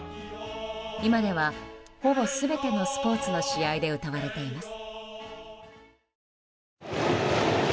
今ではほぼ全てのスポーツの試合で歌われています。